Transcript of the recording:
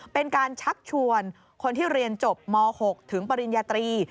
เป็นการชักชวนคนที่เรียนจบม๖ถึงปริญญาตรี